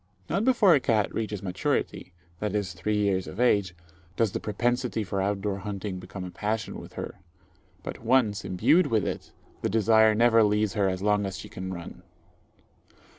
Not before a cat reaches maturity viz., three years of age does the propensity for out door hunting become a passion with her; but once imbued with it, the desire never leaves her as long as she can run.